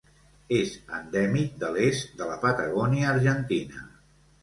És endèmic de l'est de la Patagònia argentina.